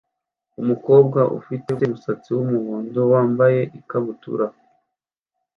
Umukobwa ufite umusatsi wumuhondo wambaye ikabutura